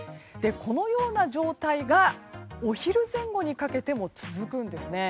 このような状態がお昼前後にかけても続くんです。